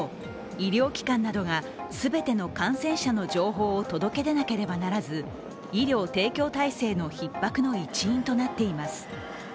医療機関などが全ての感染者の情報を届け出なければならず、医療提供体制のひっ迫の一因となっています。